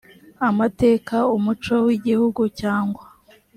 amateka umuco w igihugu cyangwa